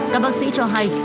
các bác sĩ cho hay